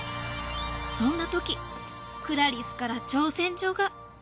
そんなときクラリスから挑戦状が！